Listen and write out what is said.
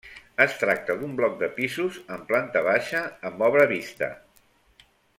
Es tracta d'un bloc de pisos en planta baixa amb obra vista.